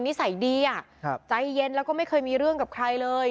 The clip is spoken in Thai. นิสัยดีอ่ะใจเย็นแล้วก็ไม่เคยมีเรื่องกับใครเลย